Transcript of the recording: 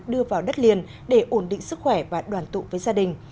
đưa vào đất liền để ổn định sức khỏe và đoàn tụ với gia đình